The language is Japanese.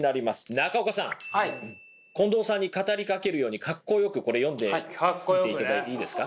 中岡さん近藤さんに語りかけるように格好よく読んでいただいていいですか。